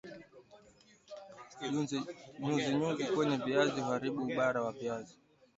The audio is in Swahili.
nyuzi nyuzi kwenye viazi huaribu ubara wa viazi